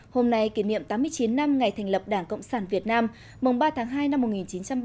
hôm nay kỷ niệm tám mươi chín năm ngày thành lập đảng cộng sản việt nam mùng ba tháng hai năm một nghìn chín trăm ba mươi